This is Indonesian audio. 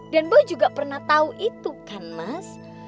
dan boy juga pernah tau itu kan mas